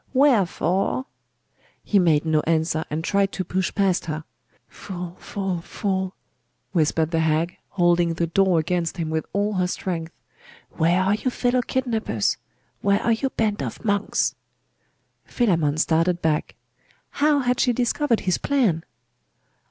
'Wherefore?' He made no answer, and tried to push past her. 'Fool, fool, fool!' whispered the hag, holding the door against him with all her strength. 'Where are your fellow kidnappers? Where are your band of monks?' Philammon started back. How had she discovered his plan?